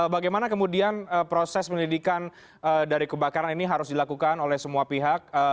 bagaimana kemudian proses penyelidikan dari kebakaran ini harus dilakukan oleh semua pihak